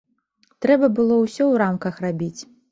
Трэба было ўсё ў рамках рабіць.